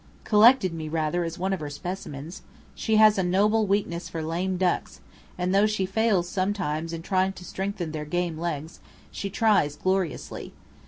"Collected me, rather, as one of her 'specimens.' She has a noble weakness for lame ducks, and though she fails sometimes in trying to strengthen their game legs, she tries gloriously.